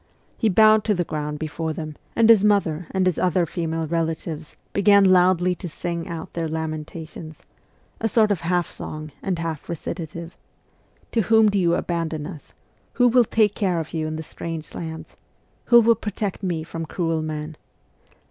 He bowed to the ground before them, and his mother and his other female relatives began loudly to sing out their lamen tations a sort of half song and half recitative :' To whom do you abandon us ? Who will take care of you in the strange lands ? Who will protect me from cruel men